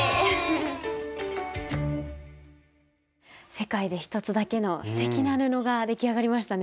世界で一つだけのすてきな布が出来上がりましたね。